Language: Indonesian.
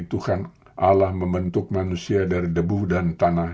tuhan allah membentuk manusia dari debu dan tanah